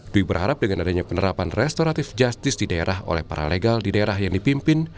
dwi berharap dengan adanya penerapan restoratif justice di daerah oleh para legal di daerah yang dipimpin